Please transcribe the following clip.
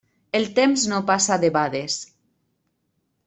El temps no passa debades.